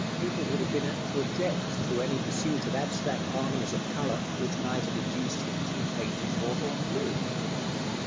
People would have been apt to object to any pursuit of abstract harmonies of color, which might have induced him to paint his hawthorn blue.